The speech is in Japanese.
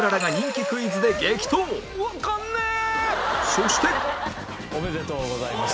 そしておめでとうございます。